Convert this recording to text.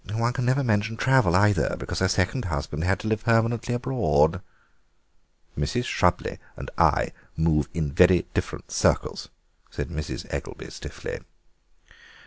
One can never mention travel, either, because her second husband had to live permanently abroad." "Mrs. Shrubley and I move in very different circles," said Mrs. Eggelby stiffly.